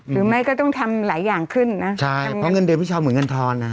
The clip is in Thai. หรือไม่ก็ต้องทำหลายอย่างขึ้นนะใช่เพราะเงินเดือนพี่เช้าเหมือนเงินทอนนะฮะ